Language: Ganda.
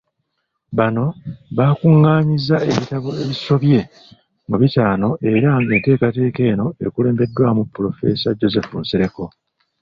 Bano bakung'anyizza ebitabo ebisobye mu bitaano era ng'enteekateeka eno ekulembeddwamu Pulofeesa Joseph Nsereko.